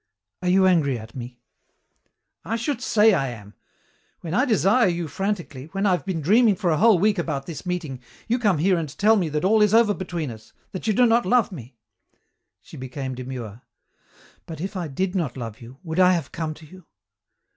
"Are you angry at me?" "I should say I am! When I desire you frantically, when I've been dreaming for a whole week about this meeting, you come here and tell me that all is over between us, that you do not love me " She became demure. "But if I did not love you, would I have come to you?